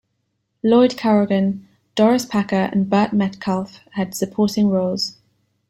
Lloyd Corrigan, Doris Packer, and Burt Metcalfe had supporting roles.